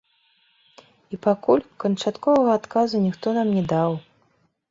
І пакуль канчатковага адказу ніхто нам не даў.